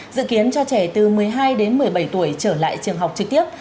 dự kiến cho trẻ từ một mươi hai đến một mươi bảy tuổi trở lại trường học trực tiếp